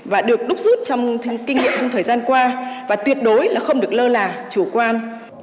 và được đúc rút trong kinh nghiệm trong thời gian qua và tuyệt đối là không được lơ là chủ quan